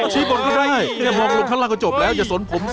ชี้บนก็ได้มองลงข้างล่างก็จบแล้วอย่าสนผม